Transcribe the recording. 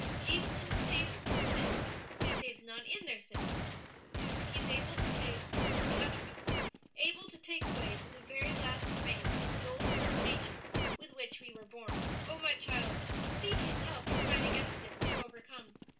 Jesus is a Saviour from sin (He saves none in their sins), and He is able to save to the uttermost, able to take away the very last remains of the old corrupt nature with which we were born. "Oh, my child, seek His help to fight against it and to overcome!